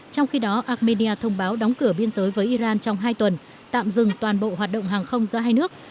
trong khi đó armenia thông báo đóng cửa biên giới với iran trong hai tuần tạm dừng toàn bộ hoạt động hàng không giữa hai nước